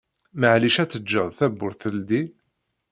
Meɛlic ad teǧǧeḍ tawwurt teldi?